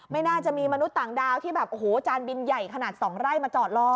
ไม่น่าจะมีมนุษย์ต่างดาวที่แบบโอ้โหจานบินใหญ่ขนาด๒ไร่มาจอดรอ